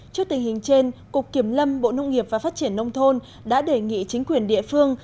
trước tình hình trên cục kiểm lâm bộ nông nghiệp và phát triển nông thôn đã đề nghị chính quyền địa phương